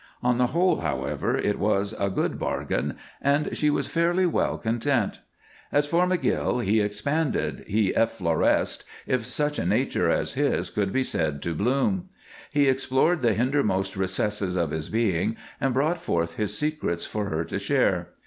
On the whole, however, it was a good bargain, and she was fairly well content. As for McGill, he expanded, he effloresced, if such a nature as his could be said to bloom. He explored the hindermost recesses of his being, and brought forth his secrets for her to share.